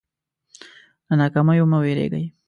له ناکامیو مه وېرېږئ.